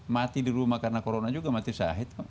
mati di rumah karena corona juga mati sahid